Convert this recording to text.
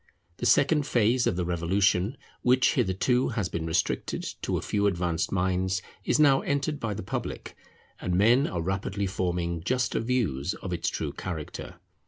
The second phase of the Revolution, which hitherto has been restricted to a few advanced minds, is now entered by the public, and men are rapidly forming juster views of its true character.